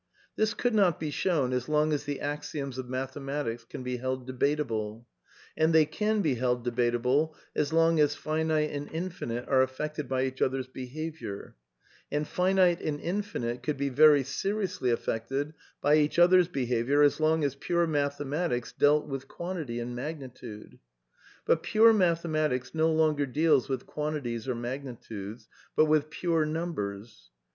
This could not be shown as long as the axioms of mathe matics can be held debatable; and they can be held de batable as long as finite and infinite are affected by each other's behaviour; and finite and infinite could be yerjJ^ seriously affected by each other's behaviour as long as pure \ mathematics dealt with quantity and magnitude. But pure mathematics no longer deals with quantities or magni tudes, but with pure numbers.